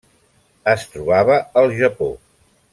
Es trobava al Japó: